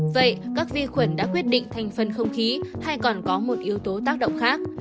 vậy các vi khuẩn đã quyết định thành phần không khí hay còn có một yếu tố tác động khác